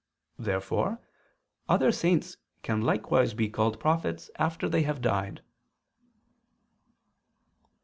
Therefore other saints can likewise be called prophets after they have died.